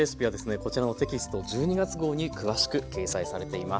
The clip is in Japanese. こちらのテキスト１２月号に詳しく掲載されています。